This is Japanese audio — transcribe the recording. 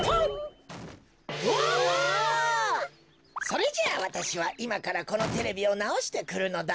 それじゃあわたしはいまからこのテレビをなおしてくるのだ。